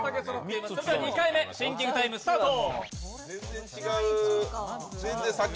２回目、シンキングタイムスタート。